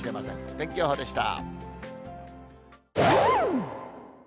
天気予報でした。